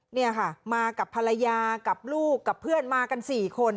เนี่ยค่ะมากับภรรยากับลูกกับเพื่อนมากัน๔คน